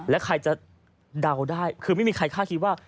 และใครจะเดาได้คือไม่มีใครคาดคิดว่า